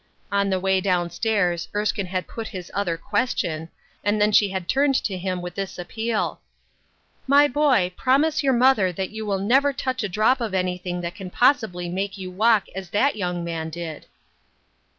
On the way down stairs, Erskine had put his other question, and then she had turned to him with this appeal, —" My boy, promise your mother that you will never touch a drop of anything that can possibly make you walk as that young man did